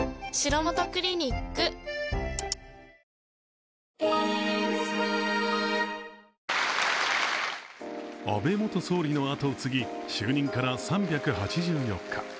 その全容は安倍元総理の後を継ぎ就任から３８４日。